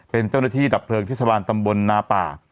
เป็นเจ้าหน้าที่ดับเผลิงที่สวรรค์ตำบลนาป่า